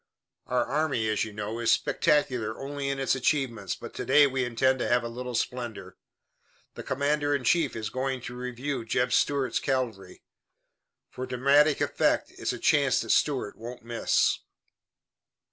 "Our army, as you know, is spectacular only in its achievements, but to day we intend to have a little splendor. The commander in chief is going to review Jeb Stuart's cavalry. For dramatic effect it's a chance that Stuart won't miss."